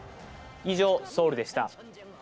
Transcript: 以上、ソウルでした。